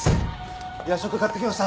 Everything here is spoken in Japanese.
夜食買ってきました。